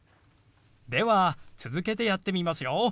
では続けてやってみますよ。